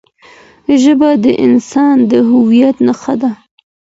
ژبه د انسان د هویت نښه ده.